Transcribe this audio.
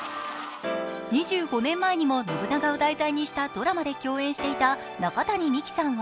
２５年前にも信長を題材にしたドラマで共演していた中谷美紀さんは